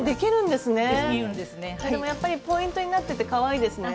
でもやっぱりポイントになっててかわいいですね。